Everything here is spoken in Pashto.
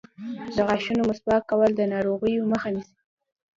د غاښونو مسواک کول د ناروغیو مخه نیسي.